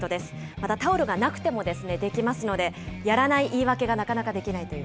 また、タオルがなくてもできますので、やらない言い訳がなかなかできないという。